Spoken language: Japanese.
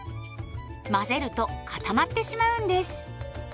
混ぜると固まってしまうんです。